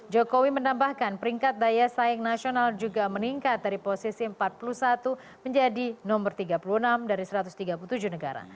jokowi menambahkan peringkat daya saing nasional juga meningkat dari posisi empat puluh satu menjadi nomor tiga puluh enam dari satu ratus tiga puluh tujuh negara